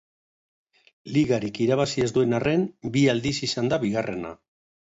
Ligarik irabazi ez duen arren bi aldiz izan da bigarrena.